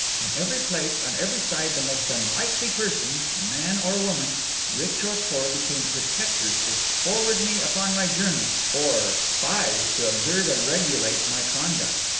In every place, on every side, the most unlikely persons, man or woman, rich or poor, became protectors to forward me upon my journey, or spies to observe and regulate my conduct.